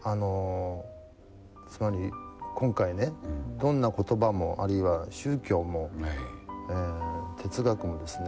つまり、今回ね、どんな言葉もあるいは宗教も、哲学もですね